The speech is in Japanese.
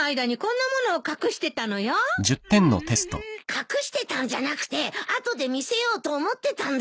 隠してたんじゃなくて後で見せようと思ってたんだよ。